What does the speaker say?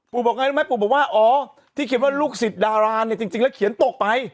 บอกไงรู้ไหมปู่บอกว่าอ๋อที่เขียนว่าลูกศิษย์ดาราเนี่ยจริงแล้วเขียนตกไป